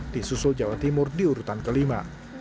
di susul jawa timur diurutan kelima